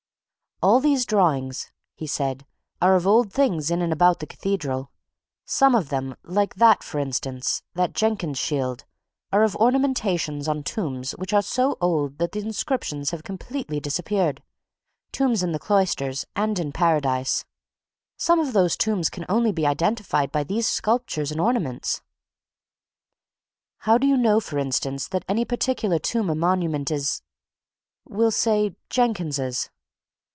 "All these drawings," he said, "are of old things in and about the Cathedral. Some of them, like that, for instance, that Jenkins shield, are of ornamentations on tombs which are so old that the inscriptions have completely disappeared tombs in the Cloisters, and in Paradise. Some of those tombs can only be identified by these sculptures and ornaments." "How do you know, for instance, that any particular tomb or monument is, we'll say, Jenkins's?"